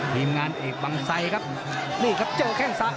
ทีมงานเอกบังไซครับนี่ครับเจอแข้งซ้าย